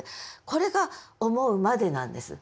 これが「思ふまで」なんです。